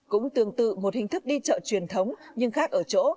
cũng tương tự một hình thức đi chợ truyền thống nhưng khác ở chỗ